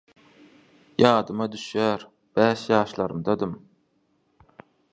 Ýadyma düşýär, bäş ýaşlarymdadym.